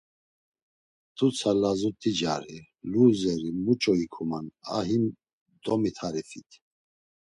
T̆utsa lazut̆i cari… Luzeri muç̌o ikuman a him domit̆arifit.